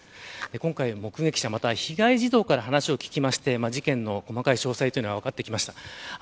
今回、目撃者被害児童から話を聞いて事件の詳細は分かってきました。